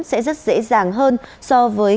sẽ rất dễ dàng hơn so với